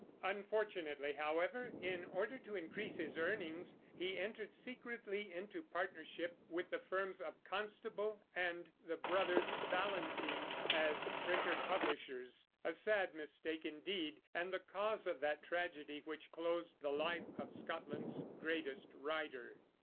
Unfortunately, however, in order to increase his earnings, he entered secretly into partnership with the firms of Constable and the brothers Ballantyne, as printer publishers, a sad mistake, indeed, and the cause of that tragedy which closed the life of Scotland's greatest writer.